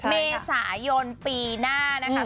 เมษายนปีหน้านะคะ